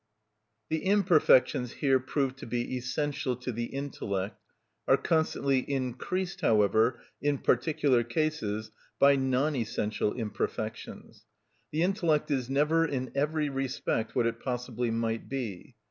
The imperfections here proved to be essential to the intellect are constantly increased, however, in particular cases, by non essential imperfections. The intellect is never in every respect what it possibly might be.